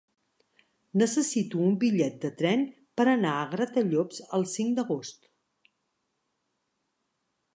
Necessito un bitllet de tren per anar a Gratallops el cinc d'agost.